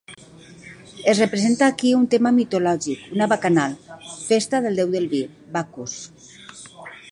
Es representa aquí un tema mitològic, una bacanal, festa del déu del vi, Bacus.